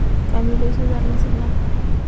Camilo hizo dar la señal.